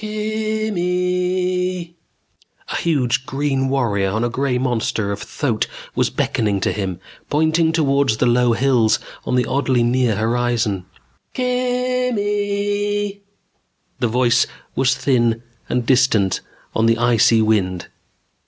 Kimmm eee! A huge green warrior on a gray monster of a thoat was beckoning to him. Pointing toward the low hills on the oddly near horizon. Kimmmm eeeee! The voice was thin and distant on the icy wind.